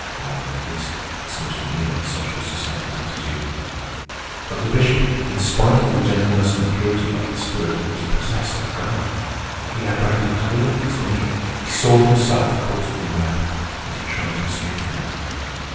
Or, at least, it seems to me that such was society's attitude. But the Bishop, in spite of the gentleness and purity of his spirit, was possessed of guile. He apprehended clearly his danger. He saw himself caught in the web, and he tried to escape from it.